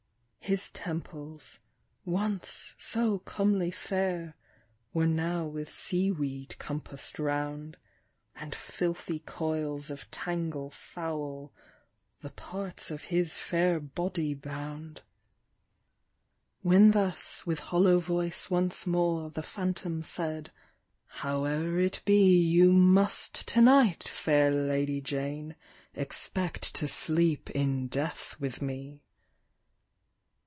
His temples, once so comely fair, Were now with sea weed compass'd round; And filthy coils of tangle foul The parts of his fair body bound. » OF DEATH. II When thus, with hollow voice, once more, The phanthom said —" Howe'er it be, You must to night, fair Lady Jane, Expect to sleep in death with me